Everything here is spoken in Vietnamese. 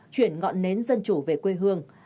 chuyển ngọn nến dân chủ về quê hương